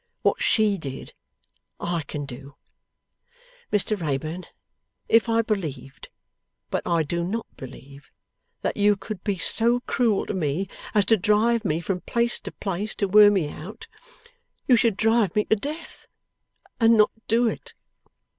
What she did, I can do. Mr Wrayburn, if I believed but I do not believe that you could be so cruel to me as to drive me from place to place to wear me out, you should drive me to death and not do it.